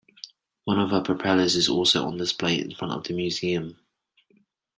One of her propellers is also on display in front of the museum.